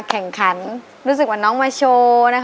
แข่งขันรู้สึกว่าน้องมาโชว์